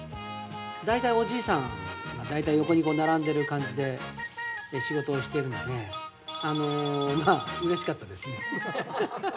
大体おじいさんが、大体横に並んでる感じで仕事をしているので、うれしかったですね。